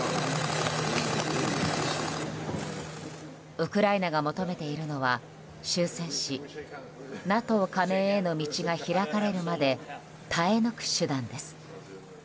ウクライナが求めているのは終戦し、ＮＡＴＯ加盟への道が開かれるまで耐え抜く手段です。